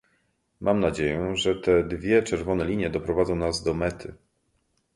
Mam nadzieję, że te dwie czerwone linie doprowadzą nas do mety